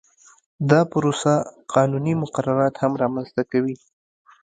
دا پروسه قانوني مقررات هم رامنځته کوي